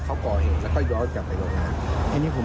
เขาคุยไปนิดหน่อยเองกับมีครับ